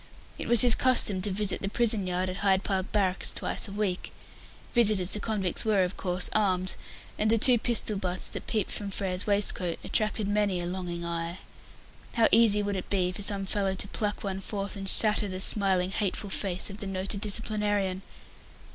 It was his custom to visit the prison yard at Hyde Park Barracks twice a week. Visitors to convicts were, of course, armed, and the two pistol butts that peeped from Frere's waistcoat attracted many a longing eye. How easy would it be for some fellow to pluck one forth and shatter the smiling, hateful face of the noted disciplinarian!